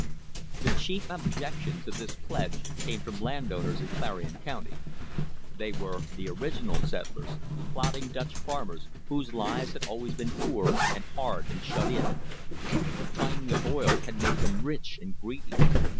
The chief objection to this pledge came from land owners in Clarion County. They were the "original settlers," plodding Dutch farmers, whose lives had always been poor and hard and shut in. The finding of oil had made them rich and greedy.